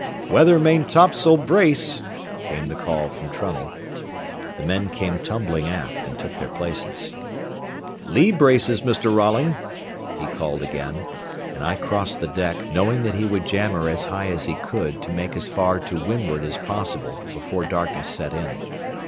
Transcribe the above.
"Weather maintopsail brace!" came the call from Trunnell. The men came tumbling aft and took their places. "Lee braces, Mr. Rolling," he called again, and I crossed the deck, knowing that he would jam her as high as he could to make as far to windward as possible before darkness set in.